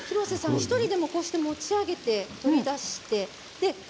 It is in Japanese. １人でも持ち上げて、取り出して。